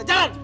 iya bang ya